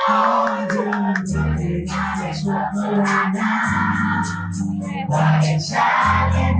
oh jangan jadi manis berpulang